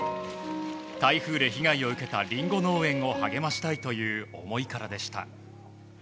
台風で被害を受けたリンゴ農園を励ましたいという思いからでした。